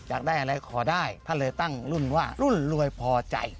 อยากได้อะไรขอได้ท่านเลยตั้งรุ่นว่ารุ่นรวยพอใจ